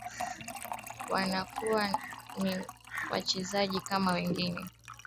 wanakuwa ni wachezaji kama wengine ni wakimaliza wakwanza nyuma ya gormahia ambao